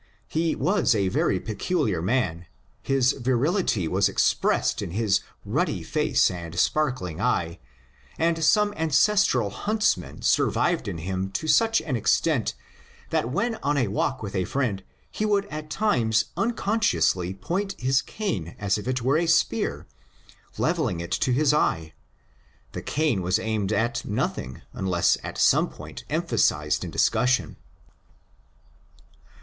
He was a very peculiar man : his viril ity was expressed in his ruddy face and sparkling eye, and MAX MULLEB 811 some ancestral haDtsman survived in him to sach an extent that when on a walk with a friend he would at times uncon sciously point his cane as if it were a spear, levelling it to his eye. The cane was aimed at nothing, unless at some point emphasized in discussion.